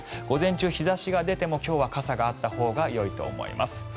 午前中、日差しが出ても今日は傘があったほうがよいと思います。